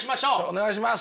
お願いします。